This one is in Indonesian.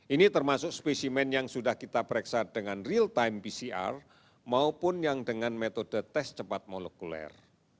ini termasuk spesimen yang sudah kita pereksa dengan real time pcr maupun yang dengan metode tes cepat molekuler